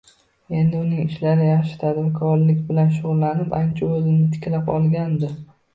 Endi uning ishlari yaxshi, tadbirkorlik bilan shug'ullanib, ancha o'zini tiklab olgandi